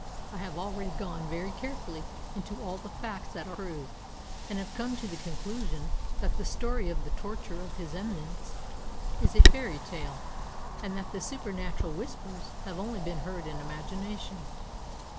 I have already gone very carefully into all the facts that are proved, and have come to the conclusion that the story of the torture of his Eminence is a fairy tale, and that the supernatural Whispers have only been heard in imagination."